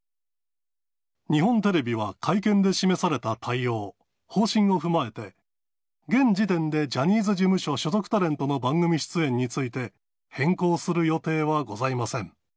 日本テレビは会見で示された対応、方針を踏まえて、現時点でジャニーズ事務所所属タレントの番組出演について変更する予定はございません。